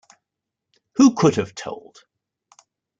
Who could have told?